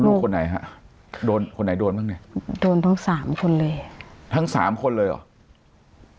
ลูกคนไหนฮะโดนคนไหนโดนบ้างเนี่ยโดนทั้งสามคนเลยทั้งสามคนเลยเหรอ